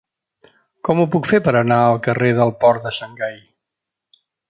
Com ho puc fer per anar al carrer del Port de Xangai?